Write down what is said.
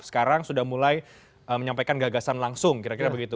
sekarang sudah mulai menyampaikan gagasan langsung kira kira begitu